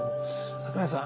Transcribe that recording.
桜井さん